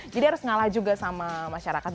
jadi harus ngalah juga sama masyarakat